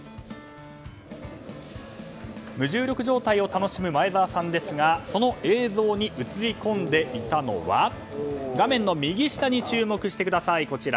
無重力状態を楽しむ前澤さんですがその映像に映り込んでいたのは画面の右下に注目してください。